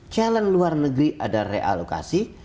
challenge luar negeri ada realokasi